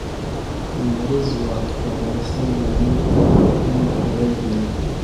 لمریز ځواک د افغانستان د امنیت په اړه هم اغېز لري.